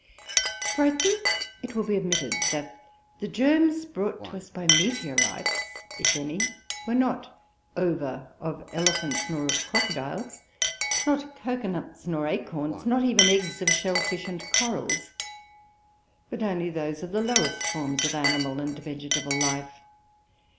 For I think it will be admitted, that the germs brought to us by meteorites, if any, were not ova of elephants, nor of crocodiles; not cocoa nuts nor acorns; not even eggs of shell fish and corals; but only those of the lowest forms of animal and vegetable life.